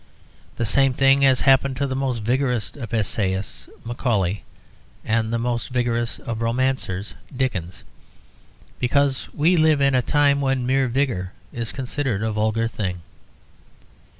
The same thing has happened to the most vigorous of essayists, Macaulay, and the most vigorous of romancers, Dickens, because we live in a time when mere vigour is considered a vulgar thing.